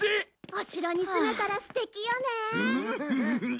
お城に住めたら素敵よね！